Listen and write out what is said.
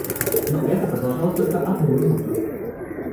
Но это продолжалось только одну минуту.